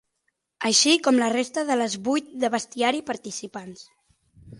Així com la resta de les vuit de bestiari participants.